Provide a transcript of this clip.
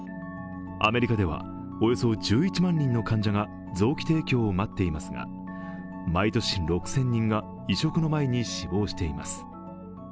アメリカではおよそ１１万人の患者が臓器提供を待っていますが、毎年６０００人が移植の前に死亡しています。